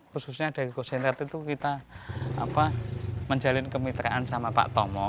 khususnya dari co center itu kita menjalin kemitraan sama pak tomo